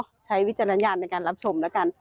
ก็ใช้วิจารณญาณในการรับชมแล้วกัน